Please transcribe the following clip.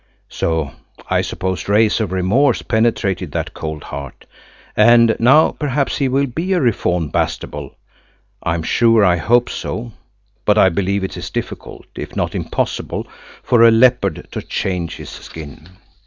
So I suppose rays of remorse penetrated that cold heart, and now perhaps he will be a reformed Bastable. I am sure I hope so, but I believe it is difficult, if not impossible, for a leopard to change his skin.